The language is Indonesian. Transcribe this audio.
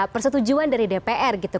persetujuan dari dpr gitu